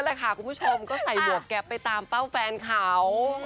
แหละค่ะคุณผู้ชมก็ใส่หมวกแก๊ปไปตามเป้าแฟนเขา